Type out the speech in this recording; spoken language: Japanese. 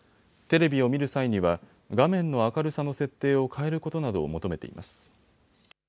テレビを見る際には画面の明るさの設定を変えることなどを求めています。